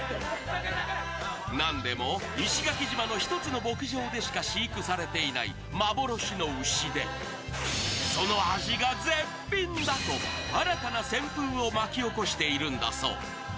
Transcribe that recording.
なんでも石垣島の１つの牧場でしか飼育されていない幻の牛でその味が絶品だと新たな旋風を巻き起こしているんだそう。